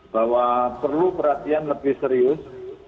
bahwa perlu perhatian lebih serius